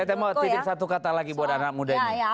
saya mau titip satu kata lagi buat anak muda ini